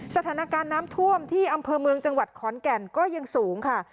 สถานการณ์น้ำท่วมที่อำเภอเมืองจังหวัดขอนแก่นก็ยังสูงค่ะ